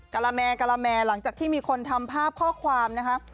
กาลาแมงหลังจากที่มีคนทำภาพข้อความนะคะ